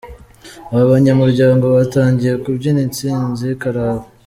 Aba banyamuryango batangiye kubyina intsinzi karahava.